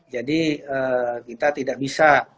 jadi kita tidak bisa